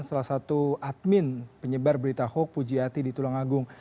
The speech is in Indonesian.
salah satu admin penyebar berita huk pujiati di tulungagung